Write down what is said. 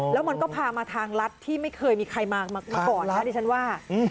แล้วมันก็พามาทางรัฐที่ไม่เคยมีใครมาก่อนนะดิฉันว่า